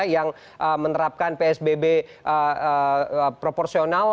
yang menerapkan psbb proporsional